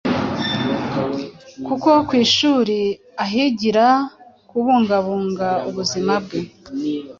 kuko ku ishuri ahigira kubungabunga ubuzima bwe